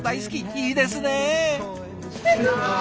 いいですね！